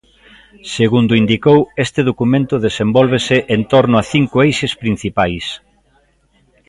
Segundo indicou, este documento desenvólvese en torno a cinco eixes principais.